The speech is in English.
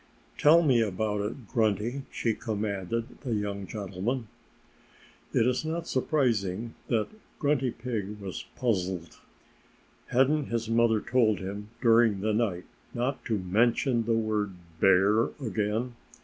"Tell me all about it, Grunty!" she commanded that young gentleman. It is not surprising that Grunty Pig was puzzled. Hadn't his mother told him, during the night, not to mention the word bear again?